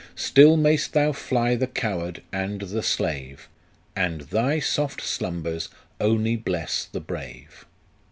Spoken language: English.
Still may'st thou fly the coward and the slave, And thy soft slumbers only bless the brave."